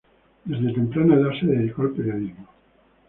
Desde temprana edad se dedicó al periodismo.